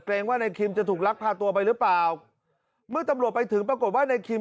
ว่านายคิมจะถูกลักพาตัวไปหรือเปล่าเมื่อตำรวจไปถึงปรากฏว่าในคิม